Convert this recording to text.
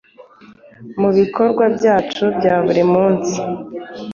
Mu bikorwa byacu bya buri munsi